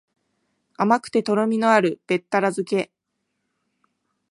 甘くてとろみのあるべったら漬け